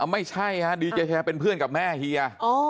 ไม่ใช่ฮะดีเจเฮเป็นเพื่อนกับแม่เฮีย